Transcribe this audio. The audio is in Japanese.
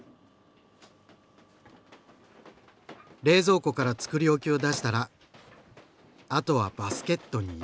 冷蔵庫からつくり置きを出したらあとはバスケットに入れるだけ！